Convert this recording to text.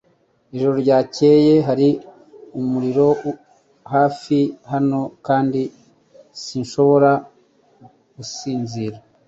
Ijoro ryakeye hari umuriro hafi hano kandi sinshobora gusinzira